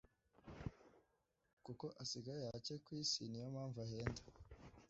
kuko asigaye hake ku isi niyo mpamnvu ahenda